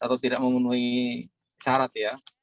atau tidak memenuhi syarat ya